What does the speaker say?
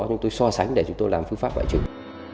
chúng tôi so sánh để chúng tôi làm phương pháp phải chứng